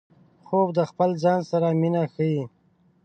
خوب د خپل ځان سره مینه ښيي